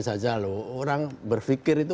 saja loh orang berpikir itu